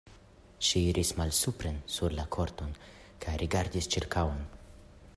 Ŝi iris malsupren sur la korton kaj rigardis ĉirkaŭen.